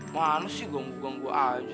mana sih ganggu ganggu aja